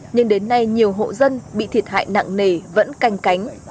nhưng đến nay nhiều hộ dân bị thiệt hại nặng nề vẫn canh cánh